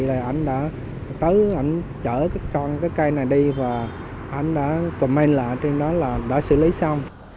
thì anh đã tới anh chở cái trang cái cây này đi và anh đã comment lại trên đó là đã xử lý xong